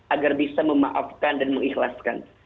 agar bisa memaafkan dan mengikhlaskan